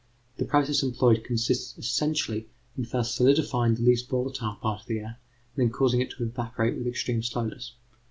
The process employed consists essentially in first solidifying the least volatile part of the air and then causing it to evaporate with extreme slowness.